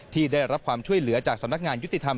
ที่ได้รับความช่วยเหลือจากสำนักงานยุติธรรม